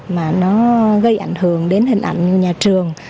mà nó gây ảnh hưởng đến hình ảnh như nhà trường